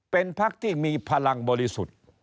เป็นพักที่มีพลังบริสุทธิ์